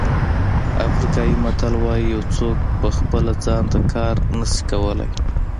افریقایي متل وایي یو څوک په خپله ځان ته کار نه شي کولای.